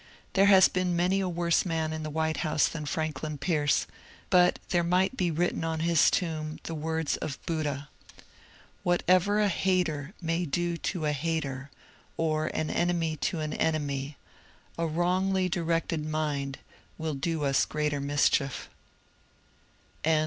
There has been many a worse man in the White House than Franklin Pierce, but there might be written on his tomb the words of Buddha :Whatever a hater may do to a hater, or an enemy to an enemy, a wrongly directed mind will do us greater mischief."